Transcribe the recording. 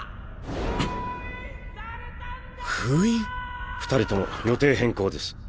封印⁉二人とも予定変更です。